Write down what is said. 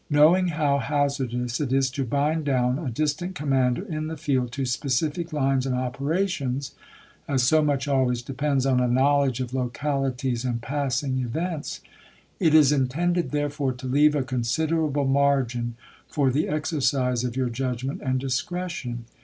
Knowing how hazardous it is to bind down a distant commander in the field to specific lines and operations, as so much always depends on a knowledge of localities and passing events, it is intended, therefore, to leave a considerable margin for the exercise of your judgment and discretion.